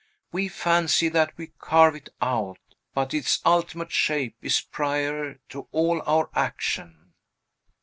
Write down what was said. We fancy that we carve it out; but its ultimate shape is prior to all our action."